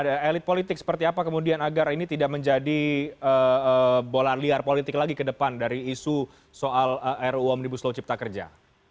ada elit politik seperti apa kemudian agar ini tidak menjadi bola liar politik lagi ke depan dari isu soal ruu omnibus law cipta kerja